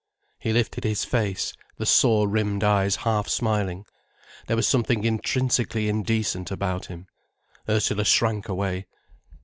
He lifted his face, the sore rimmed eyes half smiling. There was something intrinsically indecent about him. Ursula shrank away.